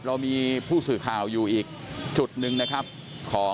เหลือเพียงกลุ่มเล็กคอยสกัดอยู่บริเวณสะพานข้ามไปยังอนุสาวรีชัยอยู่นะครับ